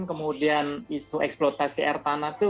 kemudian isu eksploitasi air tanah itu